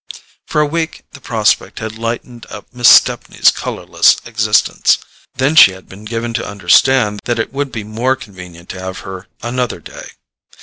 For a week the prospect had lighted up Miss Stepney's colourless existence; then she had been given to understand that it would be more convenient to have her another day.